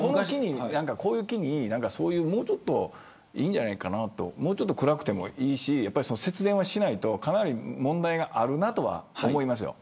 この機に、もうちょっといいんじゃないかなともうちょっと暗くてもいいし節電はしないとかなり問題があるなと思います。